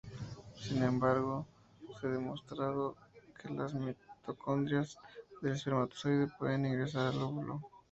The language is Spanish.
Sin embargo, se ha demostrado que las mitocondrias del espermatozoide pueden ingresar al óvulo.